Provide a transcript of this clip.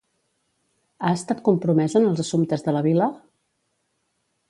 Ha estat compromesa en els assumptes de la vila?